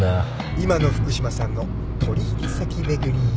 今の福島さんの取引先巡り。